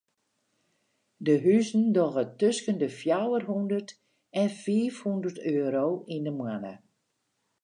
Dy huzen dogge tusken de fjouwer hondert en fiif hondert euro yn de moanne.